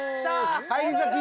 返り咲き！